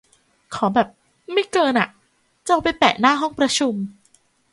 ขอแบบไม่เกิน อะ จะเอาไปแปะหน้าห้องประชุม